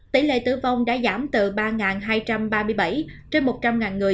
tỷ lệ tử vong đã giảm từ ba hai trăm ba mươi bảy trên một trăm linh người